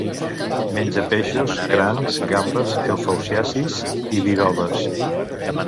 Menja peixos, crancs, gambes, eufausiacis i bivalves.